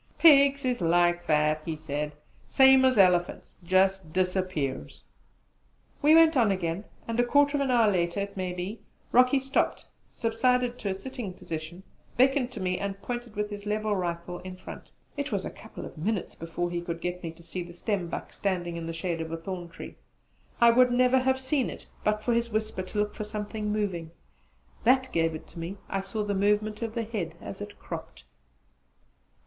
"Pigs is like that," he said, "same as elephants jus' disappears!" We went on again, and a quarter of an hour later, it may be, Rocky stopped, subsided to a sitting position, beckoned to me, and pointed with his levelled rifle in front. It was a couple of minutes before he could get me to see the stembuck standing in the shade of a thorn tree. I would never had seen it but for his whisper to look for something moving: that gave it to me; I saw the movement of the head as it cropped.